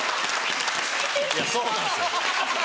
いやそうなんですよ。